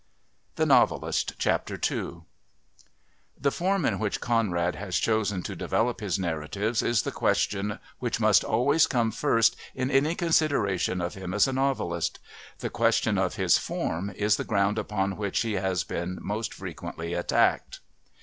II The form in which Conrad has chosen to develop his narratives is the question which must always come first in any consideration of him as a novelist; the question of his form is the ground upon which he has been most frequently attacked.